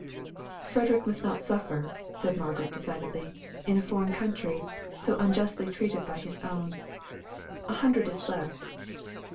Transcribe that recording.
"Frederick must not suffer," said Margaret, decidedly; "in a foreign country; so unjustly treated by his own. A hundred is left.